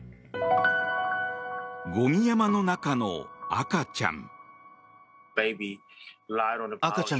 ゴミ山の中の赤ちゃん。